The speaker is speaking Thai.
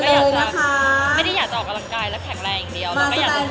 เพราะว่าเราไม่ได้อยากจะออกกำลังกายและแข็งแรงอย่างเดียว